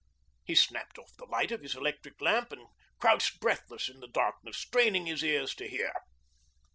He snapped off the light of his electric lamp and crouched breathless in the darkness, straining his ears to hear.